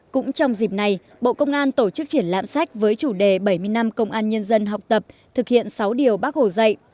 cũng trong dịp này bộ công an tổ chức triển lãm sách với chủ đề bảy mươi năm công an nhân dân học tập thực hiện sáu điều bác hồ dạy